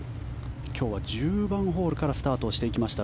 今日は１０番ホールからスタートしていきました。